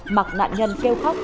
mặc nạn nhân kêu khóc vàng xịt